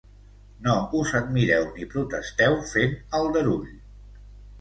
No us admireu ni protesteu fent aldarull.